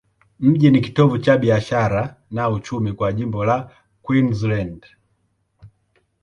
Mji ni kitovu cha biashara na uchumi kwa jimbo la Queensland.